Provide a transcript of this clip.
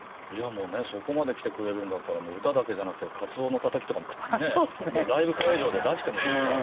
もうねそこまで来てくれるんだったらもう歌だけじゃなくてかつおのたたきとかもライブ会場で出してもいいくらい。